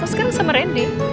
kok sekarang sama randy